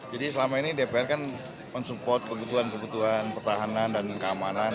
jadi selama ini dpr kan men support kebutuhan kebutuhan pertahanan dan keamanan